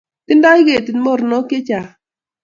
Tindoi ketit mornok chechang